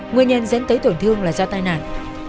nguyên nhân dẫn tới tổn thương là do tai nạn